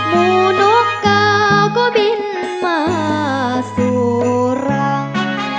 มูลค่าก็บินมาสวรรค์